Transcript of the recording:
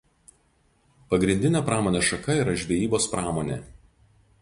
Pagrindinė pramonės šaka yra žvejybos pramonė.